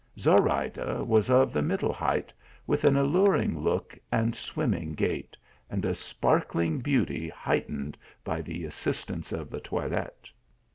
Zorayda was of the middle height, with an alluring look and swimming gait, and a sparkling beauty heightened by the as sistance of the toilette.